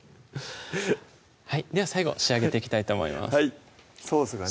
はいでは最後仕上げていきたいと思いますソースがね